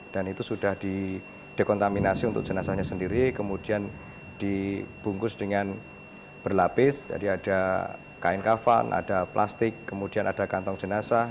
dan itu sudah di dekontaminasi untuk jenazahnya sendiri kemudian dibungkus dengan berlapis jadi ada kain kafan ada plastik kemudian ada kantong jenazah